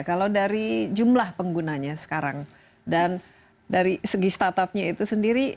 kalau dari jumlah penggunanya sekarang dan dari segi startupnya itu sendiri